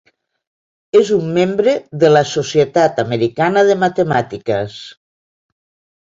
És un membre de la societat americana de matemàtiques.